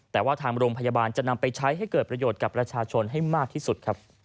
แต่ว่าทางโรงพยาบาลจะนำไปใช้ให้เกิดประโยชน์กับประชาชนให้มากที่สุดครับ